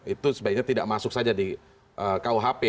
itu sebaiknya tidak masuk saja di kuhp